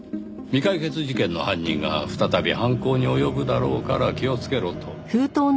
未解決事件の犯人が再び犯行に及ぶだろうから気をつけろと。